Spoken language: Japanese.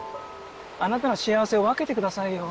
あなたの幸せを分けてくださいよ。